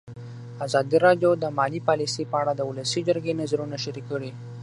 ازادي راډیو د مالي پالیسي په اړه د ولسي جرګې نظرونه شریک کړي.